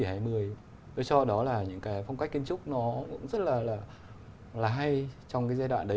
tôi cho đó là những cái phong cách kiến trúc nó cũng rất là hay trong cái giai đoạn đấy